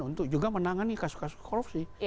untuk juga menangani kasus kasus korupsi